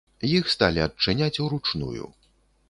Іх сталі адчыняць уручную.